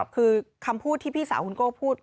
คือคำพูดที่พี่สาวคุณโก้พูด